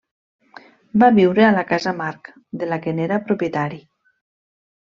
Va viure a la Casa Marc, de la que n'era propietari.